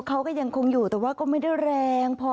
เขาก็ยังคงอยู่แต่ว่าก็ไม่ได้แรงพอ